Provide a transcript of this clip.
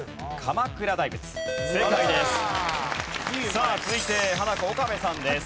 さあ続いてハナコ岡部さんです。